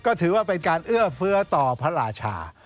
ก็ถือว่าเป็นการเอื้อเฟื้อต่อพระราชา